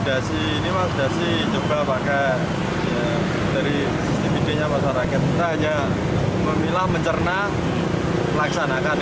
dasi ini mas dasi coba pakai dari individenya masyarakat hanya memilah mencerna laksanakan